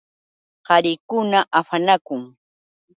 Qarikuna afanakun.